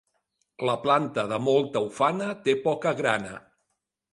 La planta de molta ufana té poca grana.